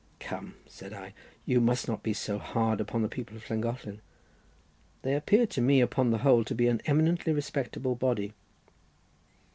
"Come," said I, "you must not be so hard upon the people of Llangollen. They appear to me, upon the whole, to be an eminently respectable body."